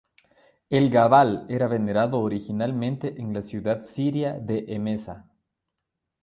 El-Gabal era venerado originalmente en la ciudad siria de Emesa.